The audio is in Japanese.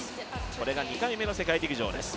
これが２回目の世界陸上です。